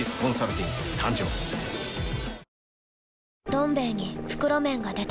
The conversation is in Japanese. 「どん兵衛」に袋麺が出た